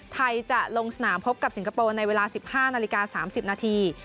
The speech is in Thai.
ไทยจะลงสนามพบกับสิงคโปร์ในเวลา๑๕นาฬิกา๓๐นาที